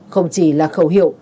không chỉ là khẩu hiệu